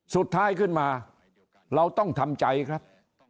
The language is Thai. สุดท้ายขึ้นมาเราต้องทำใจครับ